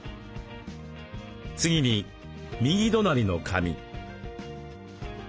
次に右隣の紙。